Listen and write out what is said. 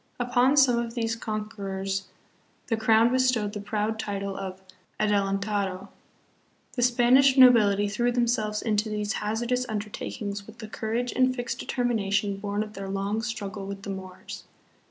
Upon some of these conquerors the crown bestowed the proud title of " adelantado." The Spanish nobility threw themselves into these hazardous undertakings with the courage and fixed determination born of their long struggle with the Moors.